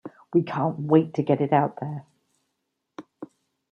We can't wait to get it out there.